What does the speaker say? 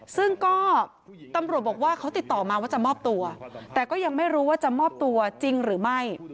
ซึ่งก็ตำรวจบอกว่าเขาติดต่อมาว่าจะมอบตัวแต่ก็ยังไม่รู้ว่าจะมอบตัวจริงหรือไม่